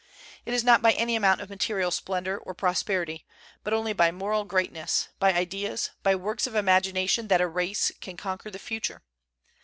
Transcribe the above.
It is not by any amount of material splendor or pros perity, but only by moral greatness, by ideas, by works of imagination that a race can con quer the future.